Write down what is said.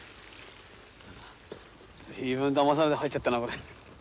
随分だまされて入っちゃったなこれ。